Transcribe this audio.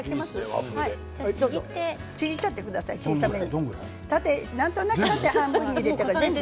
ちぎっちゃってください小さめに。